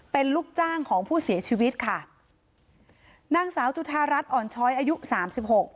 เป็นลูกจ้างของผู้เสียชีวิตค่ะนางสาวจุธารัฐอ่อนช้อยอายุสามสิบหก